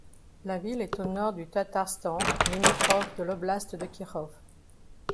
La ville est au nord du Tatarstan, limitrophe de l'oblast de Kirov.